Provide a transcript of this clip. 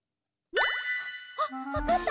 あっわかった？